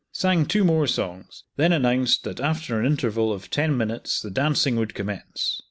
Sang two more songs, then announced that after an interval of ten minutes the dancing would commence.